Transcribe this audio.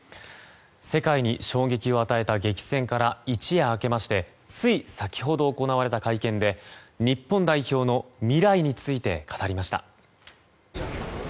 世界に衝撃を与えた激戦から一夜明けましてつい先ほど行われた会見で日本代表の未来について語りました。